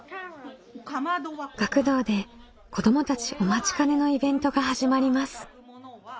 学童で子どもたちお待ちかねのイベントが始まります。